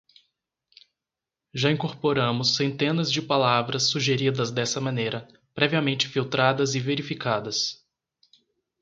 Já incorporamos centenas de palavras sugeridas dessa maneira, previamente filtradas e verificadas.